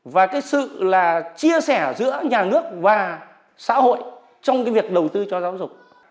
và cái sự là chia sẻ giữa nhà nước và xã hội trong cái việc đầu tư cho giáo dục